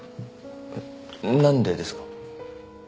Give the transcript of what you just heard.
えっ何でですか？